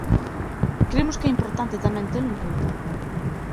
Cremos que é importante tamén telo en conta.